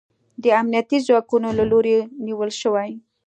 د امنیتي ځواکونو له لوري نیول شوی